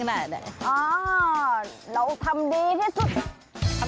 คิดอยู่